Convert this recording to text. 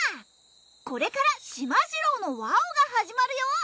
これから『しまじろうのわお！』が始まるよ。